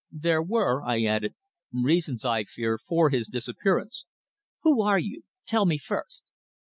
There were," I added, "reasons, I fear, for his disappearance." "Who are you? Tell me, first."